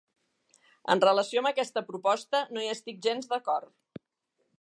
En relació amb aquesta proposta, no hi estic gens d'acord.